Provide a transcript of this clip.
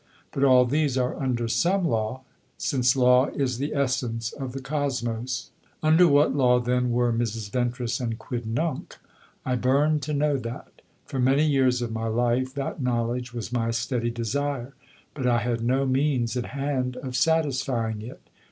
But all these are under some law, since law is the essence of the Kosmos. Under what law then were Mrs. Ventris and Quidnunc? I burned to know that. For many years of my life that knowledge was my steady desire; but I had no means at hand of satisfying it.